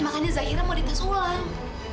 makanya zaira mau di tes ulang